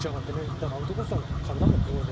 だからアウトコースは、体も、こうで。